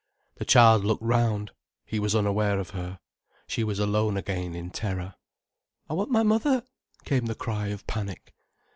The child looked round. He was unaware of her. She was alone again in terror. "I want my mother," came the cry of panic.